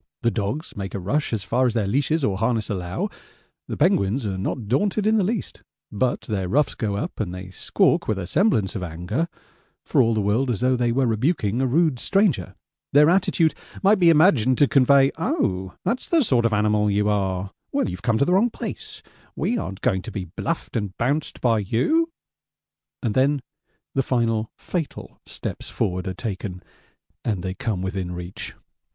The dogs make a rush as far as their leashes or harness allow. The penguins are not daunted in the least, but their ruffs go up and they squawk with semblance of anger, for all the world as though they were rebuking a rude stranger their attitude might be imagined to convey 'Oh, that's the sort of animal you are; well, you've come to the wrong place we aren't going to be bluffed and bounced by you,' and then the final fatal steps forward are taken and they come within reach.